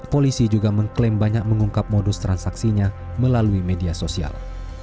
polisi juga mengklaim banyak mengungkap modus transaksinya melalui media sosial